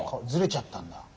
ずれちゃったんだ。